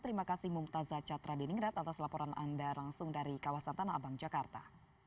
terima kasih mumtazah catra di ninggrat atas laporan anda langsung dari kawasan tanah abang jakarta